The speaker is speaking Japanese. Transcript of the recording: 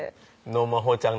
ノー真帆ちゃん